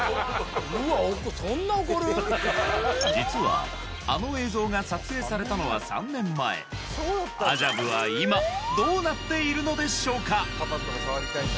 実はあの映像が撮影されたのは３年前アジャブは今どうなっているのでしょうか？